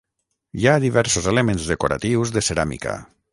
Hi ha diversos elements decoratius de ceràmica.